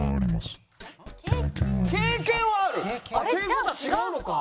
経験はある？っていう事は違うのか？